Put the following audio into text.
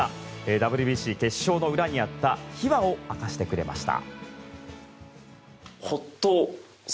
ＷＢＣ決勝の裏にあった秘話を明かしてくれました。